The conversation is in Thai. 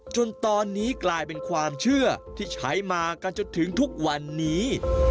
จนตอนนี้กลายเป็นความเชื่อที่ใช้มากันจนถึงทุกวันนี้